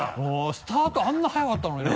スタートあんな速かったのにな。